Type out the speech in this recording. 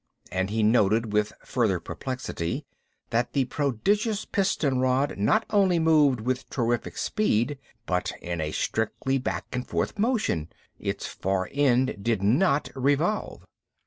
And he noted with further perplexity that the prodigious piston rod not only moved with terrific speed, but in a strictly back and forth motion; its far end did not revolve.